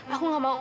aku gak mau